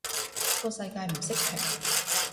個世界唔識停